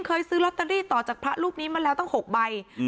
เคยซื้อลอตเตอรี่ต่อจากพระรูปนี้มาแล้วตั้ง๖ใบ